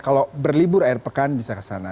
kalau berlibur air pekan bisa ke sana